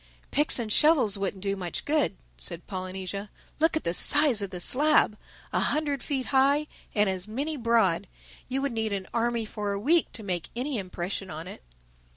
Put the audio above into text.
"Picks and shovels wouldn't do much good," said Polynesia. "Look at the size of the slab: a hundred feet high and as many broad. You would need an army for a week to make any impression on it."